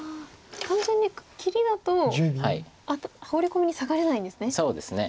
単純に切りだとホウリ込みにサガれないんですね。